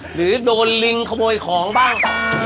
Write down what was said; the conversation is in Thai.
หรือโดนลิงขโมยของบ้าง